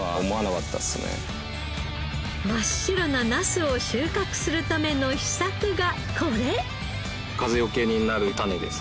真っ白なナスを収穫するための秘策がこれ！